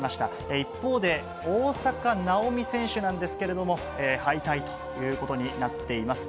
一方で、大坂なおみ選手なんですけれども、敗退ということになっています。